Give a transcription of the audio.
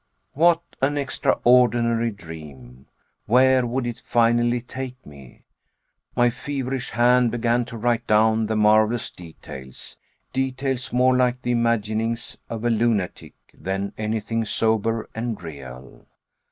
What an extraordinary dream! Where would it finally take me? My feverish hand began to write down the marvelous details details more like the imaginings of a lunatic than anything sober and real.